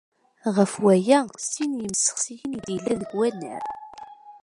Ɣef waya, settin n yimsexsiyen i d-yellan deg unnar.